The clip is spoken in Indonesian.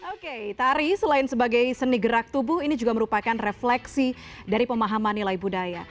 oke tari selain sebagai seni gerak tubuh ini juga merupakan refleksi dari pemahaman nilai budaya